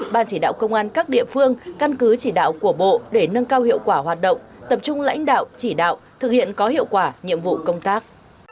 ban chỉ đạo công an các địa phương căn cứ chỉ đạo của bộ để nâng cao hiệu quả hoạt động tập trung lãnh đạo chỉ đạo thực hiện có hiệu quả nhiệm vụ công tác